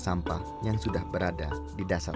sampah yang sudah berada di dasar